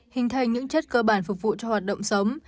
hình thành những chất cơ bản phục vụ cho hoạt động sống